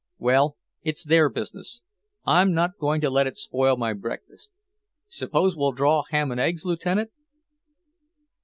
"Well, it's their business. I'm not going to let it spoil my breakfast. Suppose we'll draw ham and eggs, Lieutenant?"